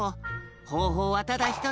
ほうほうはただひとつ。